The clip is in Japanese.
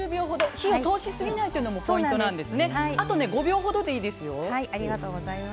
火を通しすぎないというのがポイントです。